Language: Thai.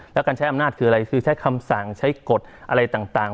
แล้วการใช้อำนาจคืออะไรคือใช้คำสั่งใช้กฎอะไรต่าง